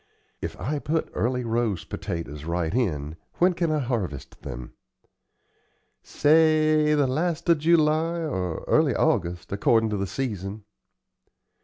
If I put Early Rose potatoes right in, when can I harvest them?" "Say the last of July or early August, accordin' to the season."